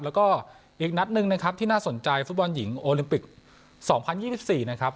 แล้วก็อีกนัดหนึ่งนะครับที่น่าสนใจฟุตบอลหญิงโอลิมปิก๒๐๒๔นะครับ